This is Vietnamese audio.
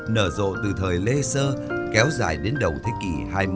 nở rộ từ thời lê sơ kéo dài đến đầu thế kỷ hai mươi